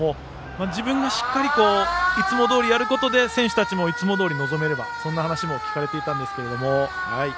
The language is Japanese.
自分がしっかりといつもどおりやることで、選手たちもいつもどおり臨めればというそんな話も聞かれていたんですが。